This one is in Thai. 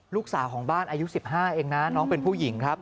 ลูกสาวของบ้านอายุ๑๕เองนะน้องเป็นผู้หญิงครับ